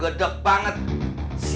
tuh saya sangat sedih